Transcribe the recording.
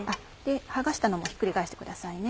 剥がしたのもひっくり返してくださいね。